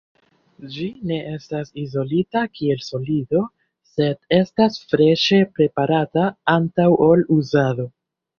Ĝi ne estas izolita kiel solido, sed estas freŝe preparata antaŭ ol uzado.